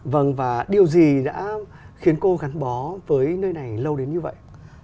vâng và điều gì đã khiến cô gắn bó với nơi này lâu đến như vậy